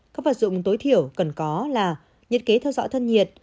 các vật dụng tối thiểu cần có là nhiệt kế theo dõi thân nhiệt